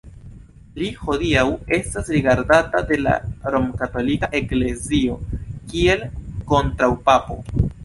Li hodiaŭ estas rigardata de la Romkatolika Eklezio kiel kontraŭpapo.